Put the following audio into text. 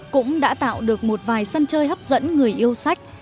cũng đã tạo được một vài sân chơi hấp dẫn người yêu sách